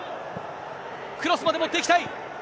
クロスまで持っていきたい。